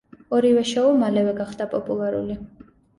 ორივე შოუ მალევე გახდა პოპულარული.